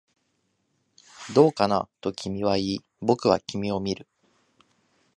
どうかな、と君は言い、僕は君を見る